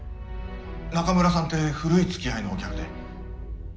中村さんって古いつきあいのお客で。